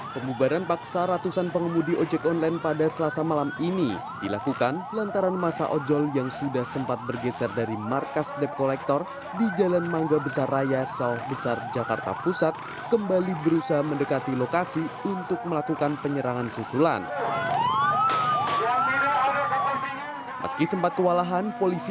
pemubaran paksa ratusan pengemudi ojek online pada selasa malam ini dilakukan lantaran masa ojol yang sudah sempat bergeser dari markas depkolektor di jalan mangga besar raya sao besar jakarta pusat kembali berusaha mendekati lokasi untuk melakukan penyerangan susulan